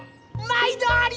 毎度あり。